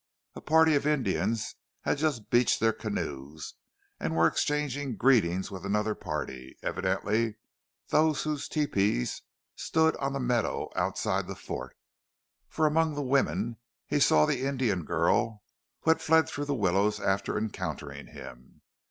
A party of Indians had just beached their canoes, and were exchanging greetings with another party, evidently that whose tepees stood on the meadow outside the fort, for among the women he saw the Indian girl who had fled through the willows after encountering him.